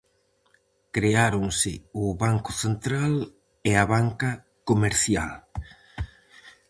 Creáronse o Banco Central e a Banca Comercial.